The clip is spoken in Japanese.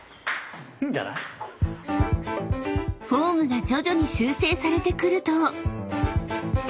［フォームが徐々に修正されてくると］